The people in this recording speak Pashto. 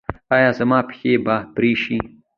ایا زما پښې به پرې شي؟